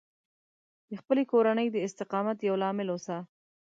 د خپلې کورنۍ د استقامت یو لامل اوسه